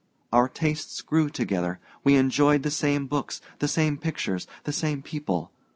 Our tastes grew together we enjoyed the same books, the same pictures, the same people.